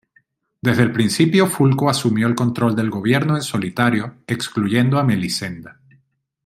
Desde el principio Fulco asumió el control del gobierno en solitario, excluyendo a Melisenda.